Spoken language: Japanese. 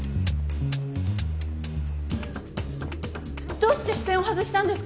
どうして視線を外したんですか？